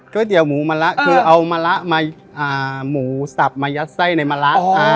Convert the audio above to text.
เตี๋ยหมูมะละคือเอามะละมาหมูสับมายัดไส้ในมะละ